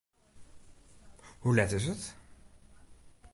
Hoe let is it?